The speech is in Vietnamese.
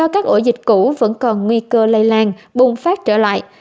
các ổ dịch cũ vẫn còn nguy cơ lây lan bùng phát trở lại